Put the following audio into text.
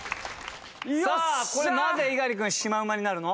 これなぜ猪狩君シマウマになるの？